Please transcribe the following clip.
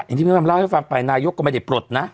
อย่างที่พี่ฮ่ามเล่าให้ใช้ไปนายกก็ไม่ได้ปลดน่ะ